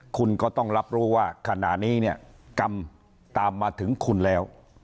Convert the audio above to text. คุณก็ต้องรับรู้ว่าขณะนี้เนี่ยกรรมตามมาถึงคุณแล้ว